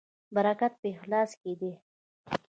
برکت په اخلاص کې دی